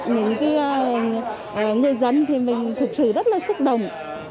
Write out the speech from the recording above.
những người dân thì mình thực sự rất là xúc động